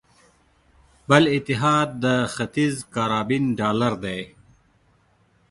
بل اتحاد د ختیځ کارابین ډالر دی.